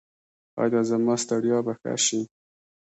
ایا زما ستړیا به ښه شي؟